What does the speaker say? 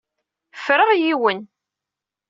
Ffreɣ yiwen.